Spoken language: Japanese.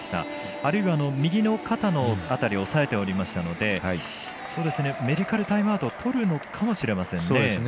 あるいは右の肩の辺りを押さえておりましたのでメディカルタイムアウトをとるのかもしれないですね。